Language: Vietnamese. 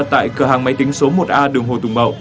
tại cửa hàng máy tính số một a đường hồ tùng mậu